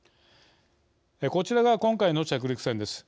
こちらが今回の着陸船です。